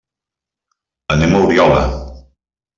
Anem a Oriola.